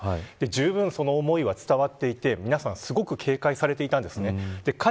じゅうぶんその思いは伝わっていて皆さん、すごく警戒されていたんです。